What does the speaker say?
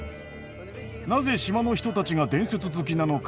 なぜ島の人たちが伝説好きなのか。